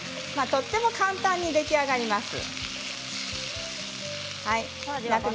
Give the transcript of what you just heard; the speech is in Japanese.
とても簡単に出来上がります。